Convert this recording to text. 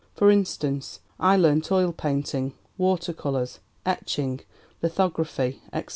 For instance, I learnt oil painting, water colours, etching, lithography, etc.